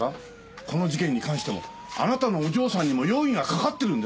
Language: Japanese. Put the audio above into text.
この事件に関してもあなたのお嬢さんにも容疑がかかってるんですよ！